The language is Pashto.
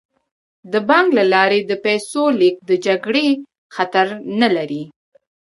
د بانک له لارې د پیسو لیږد د جګړې خطر نه لري.